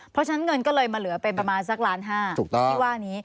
เพราะฉะนั้นเงินก็เลยมาเหลือเป็นประมาณสักล้านห้าที่ว่านี้